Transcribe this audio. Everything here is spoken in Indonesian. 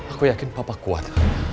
aku yakin papa kuat